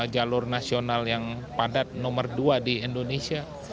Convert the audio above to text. jalur nasional yang padat nomor dua di indonesia